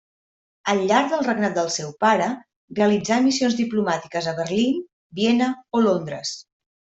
Al llarg del regnat del seu pare realitzà missions diplomàtiques a Berlín, Viena o Londres.